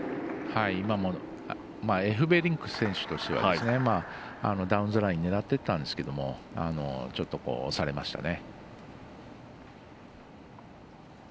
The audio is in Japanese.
エフベリンク選手としてはダウンザラインを狙っていったんですけれどもちょっと押されましたね。